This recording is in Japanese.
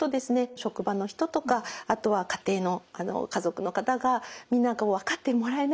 職場の人とかあとは家庭の家族の方がみんな分かってもらえないと。